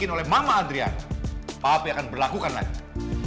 oleh mama adriana pak api akan berlakukan lagi